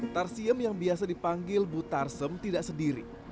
tarsiem yang biasa dipanggil bu tarsem tidak sendiri